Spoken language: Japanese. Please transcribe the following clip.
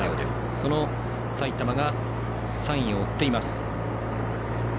その埼玉が３位を追っています。